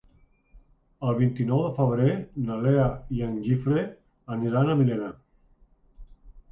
El vint-i-nou de febrer na Lea i en Guifré aniran a Millena.